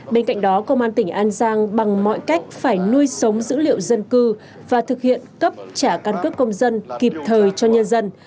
bên cạnh đó công an tỉnh an giang bằng mọi cách phải nuôi sống dữ liệu dân cư và thực hiện cấp trả căn cước công dân kịp thời cho nhân dân